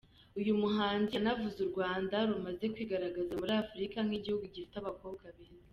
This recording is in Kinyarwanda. Uyu muhanzi yanavuze u Rwanda rumaze kwigaragaza muri Afurika nk’igihugu gifite abakobwa beza.